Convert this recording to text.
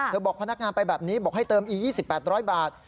บอกพนักงานไปแบบนี้บอกให้เติมอีก๒๘๐๐บาท